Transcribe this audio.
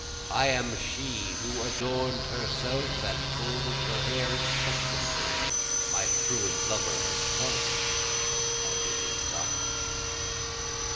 I am she who adorn'd herself and folded her hair expectantly, My truant lover has come, and it is dark.